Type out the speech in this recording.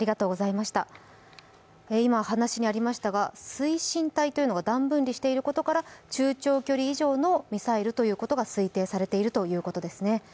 水深体というものが段分離していることから、中・長距離以上のミサイルということが推定されているということですね。